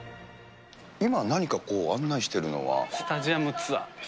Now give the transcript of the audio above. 今、なにかこう、案内してるスタジアムツアーです。